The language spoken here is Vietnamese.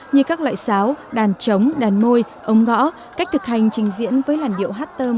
như các loại sáo đàn trống đàn môi ống gõ cách thực hành trình diễn với làn điệu hát tôm